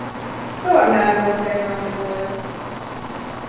Tornádószezon volt.